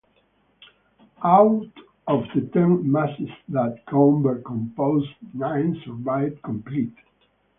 Out of the ten masses that Gombert composed, nine survive complete.